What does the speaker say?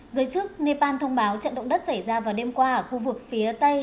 giới chức nepal thông báo trận động đất xảy ra vào đêm qua ở khu vực phía tây